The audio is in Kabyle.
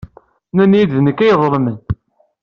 Nnan-iyi-d d nekk ay iḍelmen.